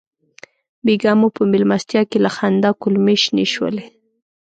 بېګا مو په مېلمستیا کې له خندا کولمې شنې شولې.